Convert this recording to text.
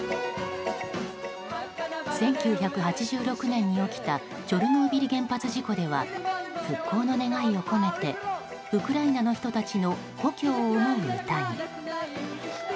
１９８６年に起きたチョルノービリ原発事故では復興の願いを込めてウクライナの人たちの故郷を思う歌に。